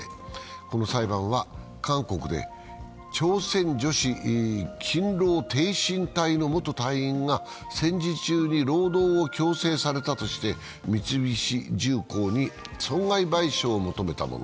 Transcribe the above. この裁判は韓国で朝鮮女子勤労てい身隊の元隊員が戦時中に労働を強制されたとして三菱重工に損害賠償を求めたもの。